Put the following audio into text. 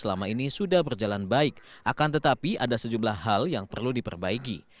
selama ini sudah berjalan baik akan tetapi ada sejumlah hal yang perlu diperbaiki